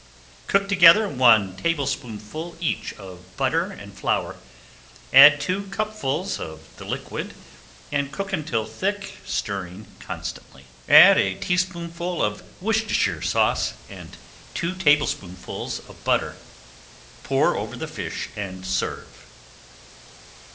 Cook together one tablespoonful each of butter and flour, add two cupfuls of the liquid and cook until thick, stirring constantly. Add a teaspoonful of Worcestershire Sauce and two tablespoonfuls of butter. Pour over the fish and serve.